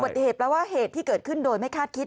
ติเหตุแปลว่าเหตุที่เกิดขึ้นโดยไม่คาดคิด